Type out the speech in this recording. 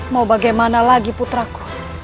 mau bagaimana lagi putraku